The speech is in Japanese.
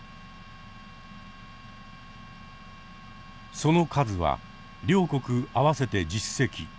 その数は両国合わせて１０隻。